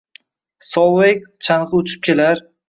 Solveyg chang’i uchib kelar…